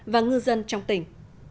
và ngư dân trong tỉnh